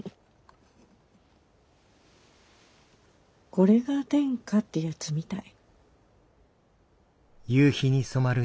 これが天下ってやつみたい。